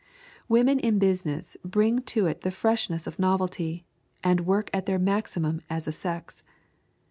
Women in business bring to it the freshness of novelty, and work at their maximum as a sex.